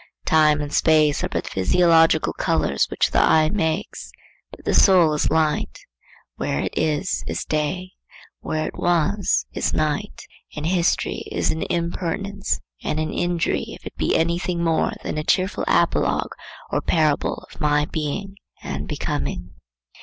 Time and space are but physiological colors which the eye makes, but the soul is light: where it is, is day; where it was, is night; and history is an impertinence and an injury if it be any thing more than a cheerful apologue or parable of my being and becoming.